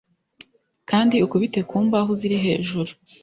Kandi ukubite ku mbaho ziri hejuru